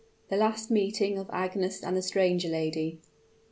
THE LAST MEETING OF AGNES AND THE STRANGER LADY.